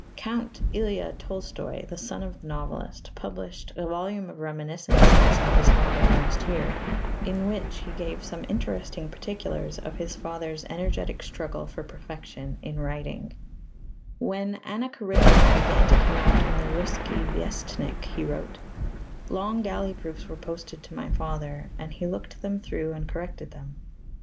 Count Ilya Tolstoy, the son of the novelist, published a volume of reminiscences of his father last year, in which he gave some interesting particulars of his father's energetic struggle for perfection in writing: When Anna Karénina began to come out in the Russki Vyéstnik [he wrote], long galley proofs were posted to my father, and he looked them through and corrected them.